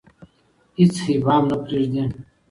هیڅ ابهام نه پریږدي.